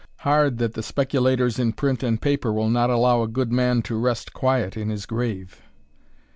Hard that the speculators in print and paper will not allow a good man to rest quiet in his grave.